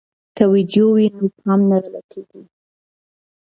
که ویډیو وي نو پام نه غلطیږي.